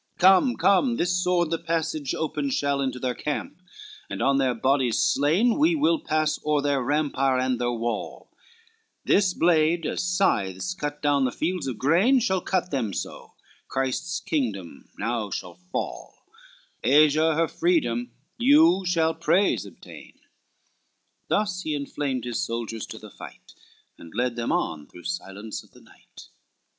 XIX "Come, come, this sword the passage open shall Into their camp, and on their bodies slain We will pass o'er their rampire and their wall; This blade, as scythes cut down the fields of grain, Shall cut them so, Christ's kingdom now shall fall, Asia her freedom, you shall praise obtain." Thus he inflamed his soldiers to the fight, And led them on through silence of the night.